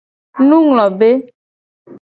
Nunglobe.